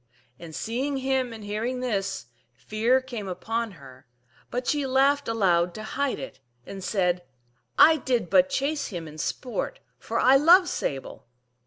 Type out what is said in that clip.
And seeing him and hearing this, fear came upon her ; but she laughed aloud to hide it, and said, " I did but chase him in sport, for I love Sable."